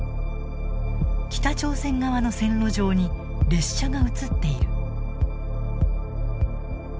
北朝鮮側の線路上に列車が映っている。